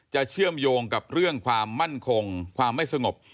เชื่อมโยงกับเรื่องความมั่นคงความไม่สงบ